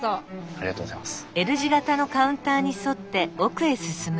ありがとうございます。